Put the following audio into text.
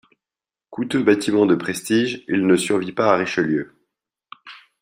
Coûteux bâtiment de prestige, il ne survit pas à Richelieu.